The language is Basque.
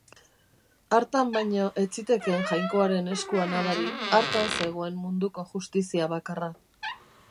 Hartan baino ez zitekeen Jainkoaren eskua nabari, hartan zegoen munduko justizia bakarra.